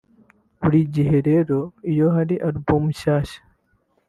Buri gihe rero iyo hari album nshyashya